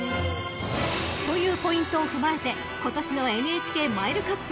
［というポイントを踏まえて今年のＮＨＫマイルカップ］